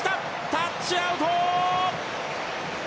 タッチアウト！